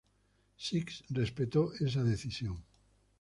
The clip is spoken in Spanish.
Sixx respetó esa decisión.